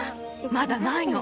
まだないの。